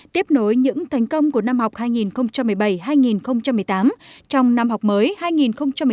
tiếp nối những thành công của năm học hai nghìn một mươi bảy hai nghìn một mươi tám trong năm học mới hai nghìn một mươi chín hai nghìn một mươi chín